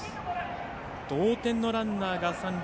同点のランナーが三塁。